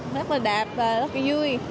rất là đẹp và rất là vui